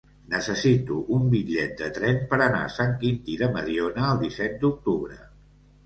Necessito un bitllet de tren per anar a Sant Quintí de Mediona el disset d'octubre.